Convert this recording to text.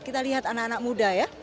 kita lihat anak anak muda ya